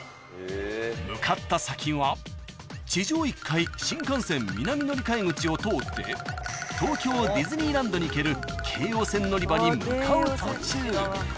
［向かった先は地上１階新幹線南乗り換え口を通って東京ディズニーランドに行ける京葉線乗り場に向かう途中］